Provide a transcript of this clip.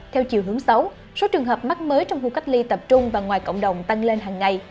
theo chiều hướng xấu số trường hợp mắc mới trong khu cách ly tập trung và ngoài cộng đồng tăng lên hàng ngày